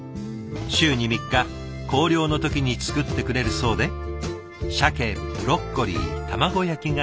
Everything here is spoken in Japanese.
週に３日校了の時に作ってくれるそうでしゃけブロッコリー卵焼きが定番。